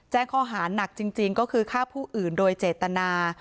แจ้งข้อหาหนักจริงก็คือฆ่าผู้อื่นโดยเจตนา